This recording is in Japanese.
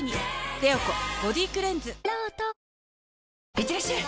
いってらっしゃい！